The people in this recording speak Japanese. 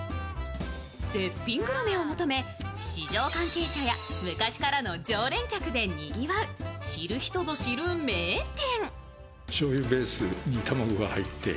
絶品グルメを求め、市場関係者や昔からの常連客でにぎわう知る人ぞ知る名店。